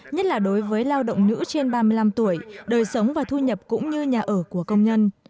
nhất là đối với lao động nữ trên ba mươi năm tuổi đời sống và thu nhập cũng như nhà ở của công nhân